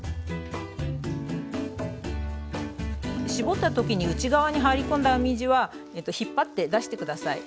絞った時に内側に入り込んだ編み地は引っ張って出して下さい。